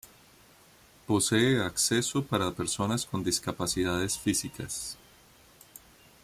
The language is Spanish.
Posee acceso para personas con discapacidades físicas.